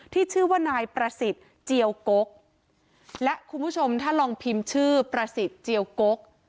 ชื่อว่านายประสิทธิ์เจียวกกและคุณผู้ชมถ้าลองพิมพ์ชื่อประสิทธิ์เจียวกก